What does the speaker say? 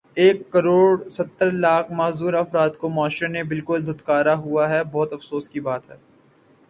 ایک کڑوڑ ستر لاکھ معذور افراد کو معاشرے نے بلکل دھتکارا ہوا ہے بہت افسوس کی بات ہے